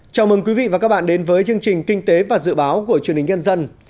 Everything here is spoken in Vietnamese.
chào mừng quý vị và các bạn đến với chương trình kinh tế và dự báo của truyền hình nhân dân